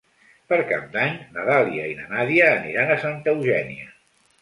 Per Cap d'Any na Dàlia i na Nàdia aniran a Santa Eugènia.